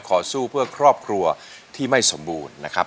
ขอสู้เพื่อครอบครัวที่ไม่สมบูรณ์นะครับ